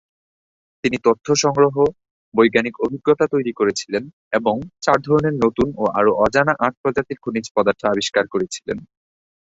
তিনি তথ্য সংগ্রহ, বৈজ্ঞানিক অভিজ্ঞতা তৈরি করেছিলেন এবং চার ধরনের নতুন ও আরো অজানা আট প্রজাতির খনিজ পদার্থ আবিষ্কার করেছিলেন।